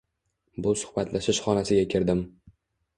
Bu suhbatlashish xonasiga kirdim.